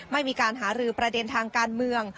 ไม่มีการหารือประเด็นทางการเมือง